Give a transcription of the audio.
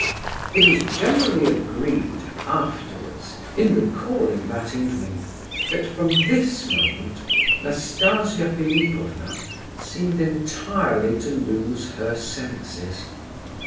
It was generally agreed, afterwards, in recalling that evening, that from this moment Nastasia Philipovna seemed entirely to lose her senses.